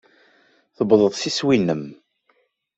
Tuwḍeḍ s iswi-nnem.